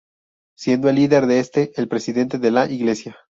Siendo el líder de este el Presidente de la Iglesia.